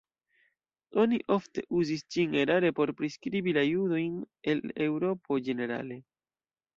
Oni ofte uzis ĝin erare por priskribi la judojn el Eŭropo ĝenerale.